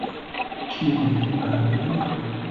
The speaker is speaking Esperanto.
Kiajn ajn!